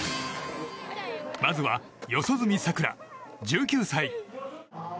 まずは四十住さくら、１９歳。